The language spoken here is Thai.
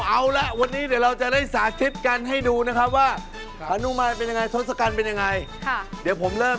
อัลละวันนี้เดี๋ยวเราจะได้สาธิตกันให้ดูนะครับว่าฮนุมันเป็นอย่างไรศศกัณฐ์เป็นยังไง